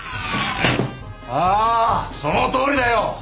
ああそのとおりだよ！